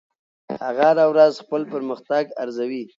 هغه هره ورځ خپل پرمختګ ارزوي.